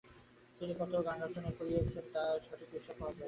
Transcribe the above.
তিনি কত গান রচনা করেছেন তার সঠিক হিসাব পাওয়া যায়নি।